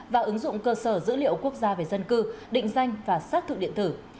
và ứng dụng cơ sở dữ liệu quốc gia về dân cư định danh và xác thực điện tử